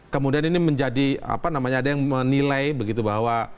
kemudian ini menjadi apa namanya ada yang menilai begitu bahwa